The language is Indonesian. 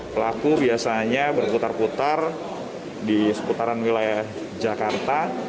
pelaku biasanya berputar putar di seputaran wilayah jakarta